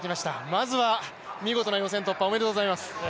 まずは見事な予選突破、おめでとうございます。